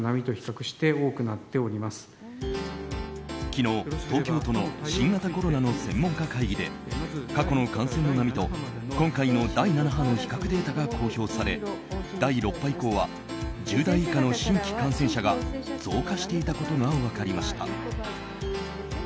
昨日、東京都の新型コロナの専門家会議で過去の感染の波と今回の第７波の比較データが公表され第６波以降は１０代以下の新規感染者が増加していたことが分かりました。